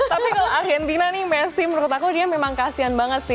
tapi kalau argentina menurut aku messi memang kasian banget